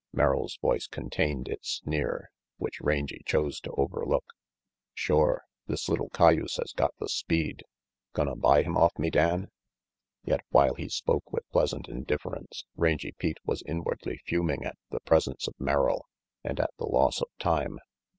Merrill's voice contained its sneer, which Rangy chose to overlook. RANGY PETE 153 "Shore, this little cayuse has got the speed. Gonna buy him off me, Dan?" Yet while he spoke with pleasant indifference, Rangy Pete was inwardly fuming at the presence of Merrill and at the loss of time.